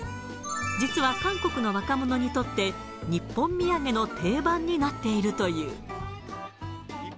実は、韓国の若者にとって、日本土産の定番になっているという。